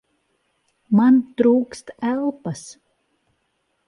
Man trūkst elpas!